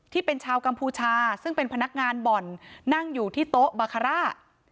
ที่เป็นชาวกัมพูชาซึ่งเป็นพนักงานบ่อนนั่งอยู่ที่โต๊ะบาคาร่า